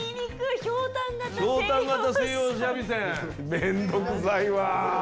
面倒くさいわ。